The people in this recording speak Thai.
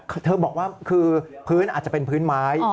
คือเธอบอกว่าคือพื้นอาจจะเป็นพื้นไม้